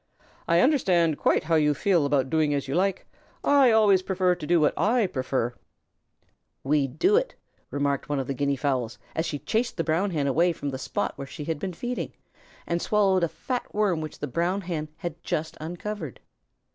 "I understand quite how you feel about doing as you like. I always prefer to do what I prefer." "We do it," remarked one of the Guinea Hens, as she chased the Brown Hen away from the spot where she had been feeding, and swallowed a fat Worm which the Brown Hen had just uncovered.